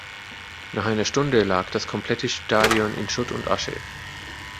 Nach einer Stunde lag das komplette Stadion in Schutt und Asche.